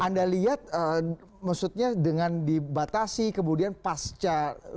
anda lihat maksudnya dengan dibatasi kemudian pasca